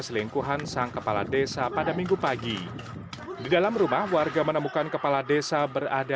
selingkuhan sang kepala desa pada minggu pagi di dalam rumah warga menemukan kepala desa berada